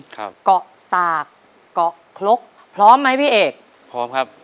เกาะสากเกาะคลกพร้อมไหมพี่เอกพร้อมครับ